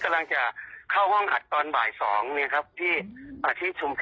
เรามองว่าน้องมีโอกาสที่จะต่อยอด